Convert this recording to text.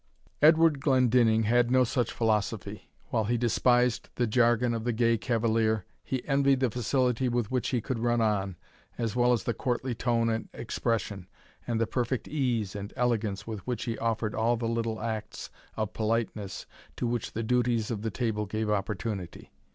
Edward Glendinning had no such philosophy. While he despised the jargon of the gay cavalier, he envied the facility with which he could run on, as well as the courtly tone and expression, and the perfect ease and elegance with which he offered all the little acts of politeness to which the duties of the table gave opportunity.